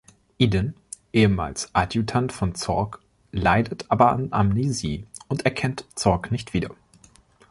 Eden, ehemals Adjutant von Zorc, leidet aber an Amnesie und erkennt Zorc nicht wieder.